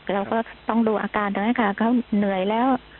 เราก็ต้องดูอาการตรงนั้นค่ะเขาเหนื่อยแล้ว